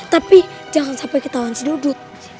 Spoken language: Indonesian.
tapi jangan sampai kita tahan si dudut